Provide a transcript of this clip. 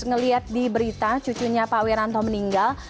ngelihat di berita cucunya pak wiranto meninggal